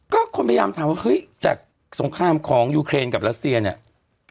ก็คนพยายามถามว่าเฮ้ยจากสงครามของยูเครนกับรัสเซียเนี่ย